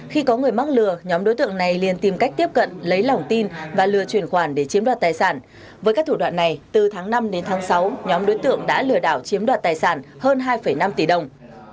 khi có người mắc lừa nhóm đối tượng này liên tìm cách tiếp cận lấy lòng tin và lừa truyền khoản để chiếm đoạt tài sản với các thủ đoạn này từ tháng năm đến tháng sáu nhóm đối tượng đã lừa đảo chiếm đoạt tài sản hơn hai năm tỷ đồng